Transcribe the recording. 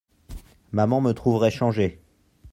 Maman me trouverait changé.